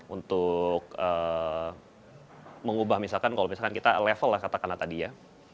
untuk mengubah misalkan kalau misalkan kita level lah katakanlah tadi ya